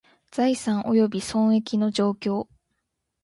財産および損益の状況